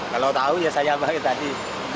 kalau tahu ya saya pakai tadi